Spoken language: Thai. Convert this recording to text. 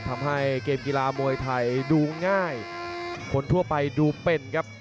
ทำให้เกมกีฬามวยไทยดูง่ายคนทั่วไปดูเป็นครับ